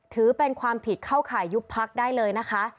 ถือเป็นความผิดเข้าข่ายยุบพักได้เลยนะคะ